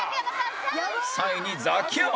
３位にザキヤマ